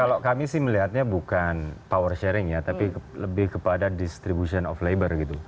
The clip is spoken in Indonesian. kalau kami sih melihatnya bukan power sharing ya tapi lebih kepada distribution of labor gitu